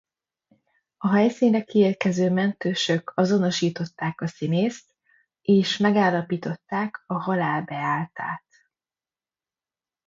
A helyszínre kiérkező mentősök azonosították a színészt és megállapították a halál beálltát.